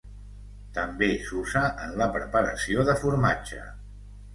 També s'usa en la preparació de formatge.